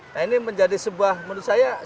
nah ini menjadi sebuah menurut saya